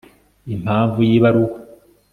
impavu y'ibaruwa